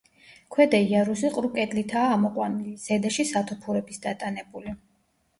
ქვედა იარუსი ყრუ კედლითაა ამოყვანილი, ზედაში სათოფურების დატანებული.